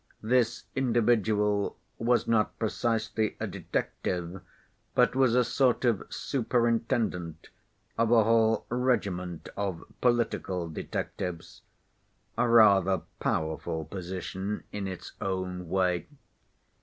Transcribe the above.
This individual was not precisely a detective but was a sort of superintendent of a whole regiment of political detectives—a rather powerful position in its own way.